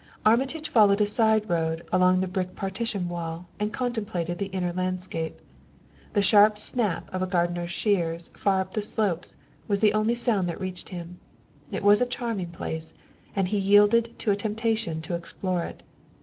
Armitage followed a side road along the brick partition wall and contemplated the inner landscape. The sharp snap of a gardener's shears far up the slope was the only sound that reached him. It was a charming place, and he yielded to a temptation to explore it.